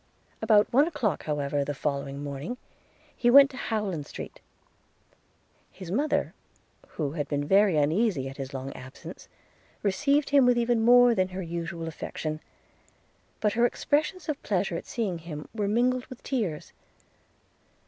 About one o'clock, however, the following morning, he went to Howland Street. His mother, who had been very uneasy at his long absence, received him with even more than her usual affection; but her expressions of pleasure at seeing him, were mingled with tears.